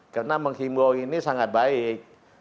karena menghimbau ini sangat baik